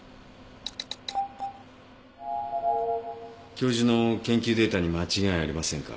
教授の研究データに間違いありませんか？